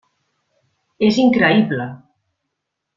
És increïble!